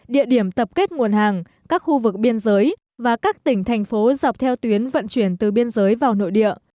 địa điểm tập kết nguồn hàng các khu vực biên giới và các tỉnh thành phố dọc theo tuyến vận chuyển từ biên giới vào nội địa